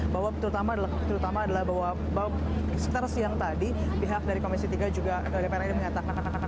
bahwa terutama adalah bahwa setelah siang tadi pihak dari komisi tiga juga dpr ini mengatakan